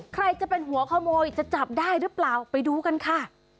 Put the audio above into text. ใครจะเป็นหัวขโมยจะจับได้หรือเปล่าไปดูกันค่ะ